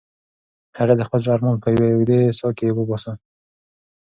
هغې د خپل زړه ارمان په یوې اوږدې ساه کې وباسه.